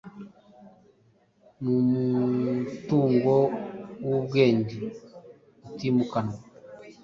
numutungo wubwenge utimukanwa